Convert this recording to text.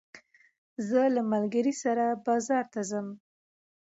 زه له ملګري سره بازار ته ځم.